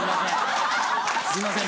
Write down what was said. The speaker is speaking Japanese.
すいません。